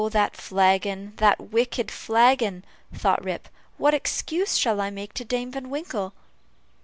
that flagon! that wicked flagon!" thought Rip "what excuse shall I make to Dame Van Winkle?"